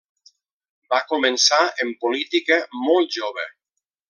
Va començar en política molt jove.